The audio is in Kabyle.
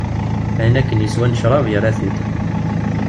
Ayen akken yeswa n ccrab, yerra-t-id.